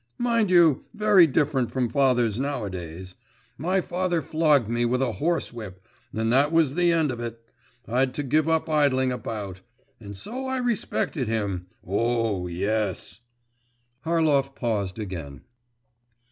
Mind you, very different from fathers nowadays. My father flogged me with a horsewhip, and that was the end of it! I'd to give up idling about! And so I respected him.… Oo!… Yes!…' Harlov paused again.